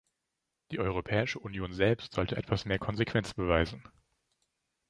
Die Europäische Union selbst sollte etwas mehr Konsequenz beweisen.